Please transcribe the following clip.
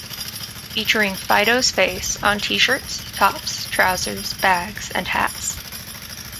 Featuring Fido's face on t-shirts, tops, trousers, bags and hats.